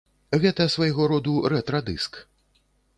Гэта свайго роду рэтра-дыск.